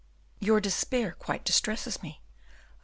"Your despair quite distresses me."